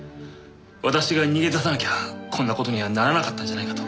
私が逃げ出さなきゃこんな事にはならなかったんじゃないかと。